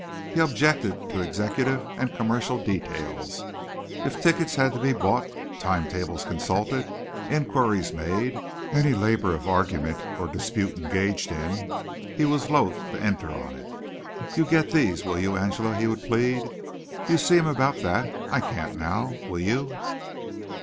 He objected to executive and commercial details. If tickets had to be bought, time tables consulted, inquiries made, any labor of argument or dispute engaged in, he was loath to enter on it. "You get these, will you, Angela?" he would plead, or "you see him about that. I can't now. Will you?"